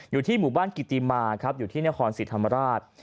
อยู่ที่หมู่บ้านกิติมาครับอยู่ที่นครศรีธรรมราช